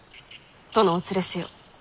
殿をお連れせよ。